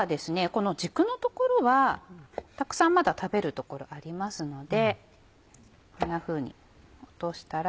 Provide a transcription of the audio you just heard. この軸のところはたくさんまだ食べるところありますのでこんなふうに落としたら。